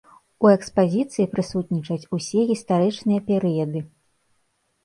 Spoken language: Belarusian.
У экспазіцыі прысутнічаюць усе гістарычныя перыяды.